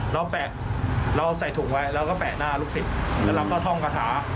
เราแปะเราใส่ถุงไว้เราก็แปะหน้าลูกศิษย์แล้วเราก็ท่องกระถา